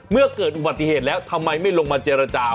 เมื่อเกิดอุบัติเหตุแล้วทำไมไม่ลงมาเจรจา